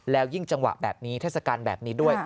แล้วยิ่งจังหวะแบบนี้เทศกาลแบบนี้ด้วย